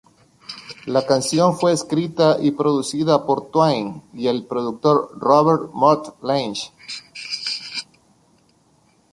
La canción fue escrita y producida por Twain y el productor Robert "Mutt" Lange.